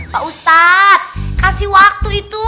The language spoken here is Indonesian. pak ustadz kasih waktu itu